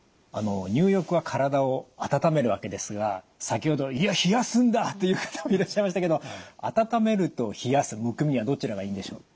入浴は体を温めるわけですが先ほど「いや冷やすんだ！」という方もいらっしゃいましたけど温めると冷やすむくみはどちらがいいんでしょう？